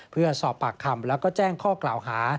เพื่อสอบปากคำแล้วก็แจ้งข้อกล่าวหา